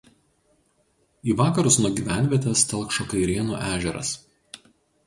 Į vakarus nuo gyvenvietės telkšo Kairėnų ežeras.